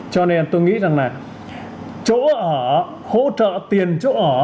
cho nên tôi nghĩ rằng là chỗ ở hỗ trợ tiền chỗ ở